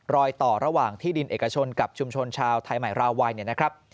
รอยต่อระหว่างที่ดินเอกชนกับชุมชนชาวไทยใหม่ราวัยเนี่ยนะครับ